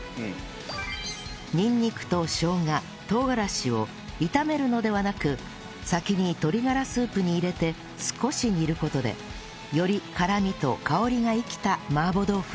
にんにくとしょうが唐辛子を炒めるのではなく先に鶏がらスープに入れて少し煮る事でより辛みと香りが生きた麻婆豆腐になるんです